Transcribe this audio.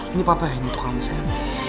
ini papa yang untuk kamu sayang